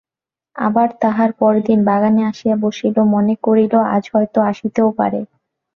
আবার তাহার পরদিন বাগানে আসিয়া বসিল, মনে করিল, আজ হয়তো আসিতেও পারে।